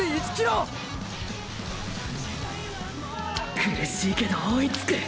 苦しいけど追いつく！！